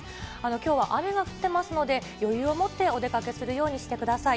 きょうは雨が降っていますので、余裕を持ってお出かけするようにしてください。